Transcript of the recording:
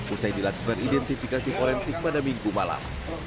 usai dilakukan identifikasi forensik pada minggu malam